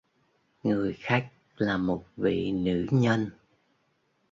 Người khách là một vị nữ nhân